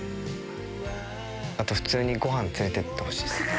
あと普通にごはん連れてってほしいですね。